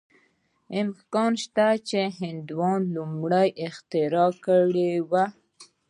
امکان شته چې هندوانو لومړی دا اختراع کړې وه.